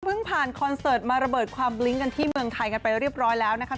ผ่านคอนเสิร์ตมาระเบิดความบลิ้งกันที่เมืองไทยกันไปเรียบร้อยแล้วนะคะ